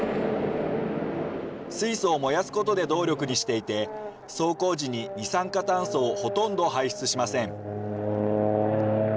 水素を燃やすことで動力にしていて、走行時に二酸化炭素をほとんど排出しません。